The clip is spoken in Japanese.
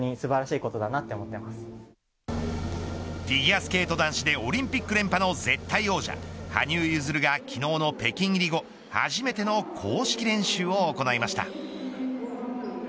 フィギュアスケート男子でオリンピック連覇の絶対王者羽生結弦が昨日の北京入り後初めての公式練習を行いました。